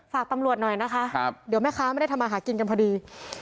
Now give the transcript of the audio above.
ฝากตำรวจหน่อยนะคะเดี๋ยวแม่ค้าไม่ได้ทำอาหารกินกันพอดี